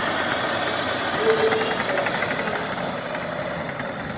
O yi bo kuma,